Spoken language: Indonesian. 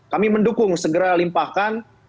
kami mendukung segera limpahkan